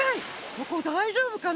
ここだいじょうぶかな？